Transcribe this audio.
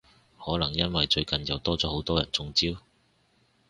可能因為最近又多咗好多人中招？